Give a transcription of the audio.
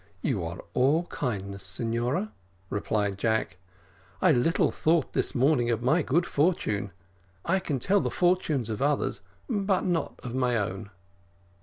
"You are all kindness, signora," replied Jack; "I little thought this morning of my good fortune I can tell the fortunes of others, but not of my own."